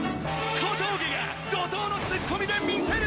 小峠が怒とうのツッコミで見せる。